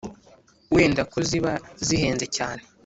wenda ko ziba zihenze cyane,